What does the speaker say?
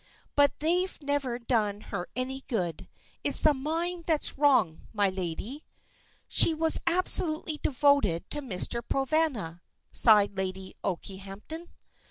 But they've never done her any good. It's the mind that's wrong, my lady." "She was absolutely devoted to Mr. Provana," sighed Lady Okehampton.